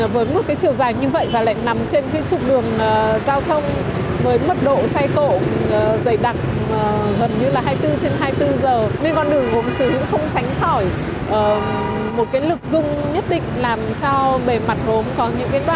với một chiều dài như vậy và lại nằm trên trục đường cao thông với mức độ say cổ dày đặc gần như hai mươi bốn trên hai mươi bốn giờ